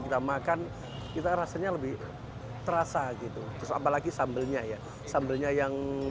kita makan kita rasanya lebih terasa gitu terus apalagi sambalnya ya sambelnya yang